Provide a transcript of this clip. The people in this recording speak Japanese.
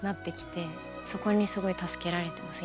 そこにすごい助けられてます